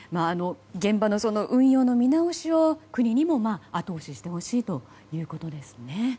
現場の運用の見直しを国にも後押ししてほしいということですね。